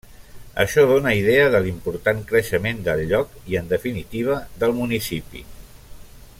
Això dóna idea de l'important creixement del lloc i, en definitiva, del municipi.